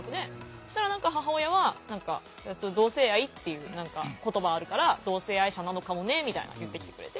そしたら何か母親は「同性愛っていう言葉あるから同性愛者なのかもね」みたいな言ってきてくれて。